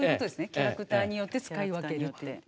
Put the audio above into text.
キャラクターによって使い分ける。